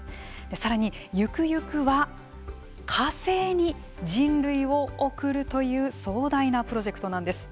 さらにゆくゆくは火星に人類を送るという壮大なプロジェクトなんです。